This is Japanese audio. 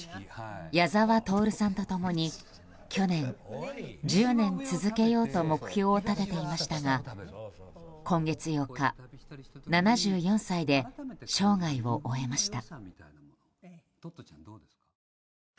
矢沢透さんと共に去年、１０年続けようと目標を立てていましたが今月８日７４歳で生涯を終えました。